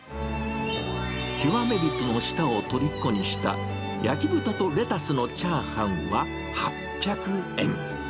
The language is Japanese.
極め人の舌をとりこにした、焼き豚とレタスのチャーハンは８００円。